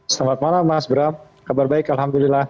selamat malam mas bram kabar baik alhamdulillah